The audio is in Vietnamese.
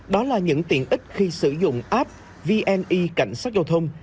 đó là những tiện ích khi sử dụng app vni cảnh sát giao thông